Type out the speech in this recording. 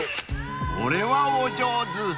［これはお上手］